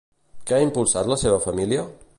Què ha impulsat la seva família?